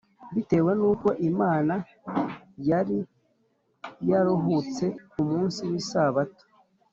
bitewe n’uko imana yari yaruhutse ku munsi w’isabato,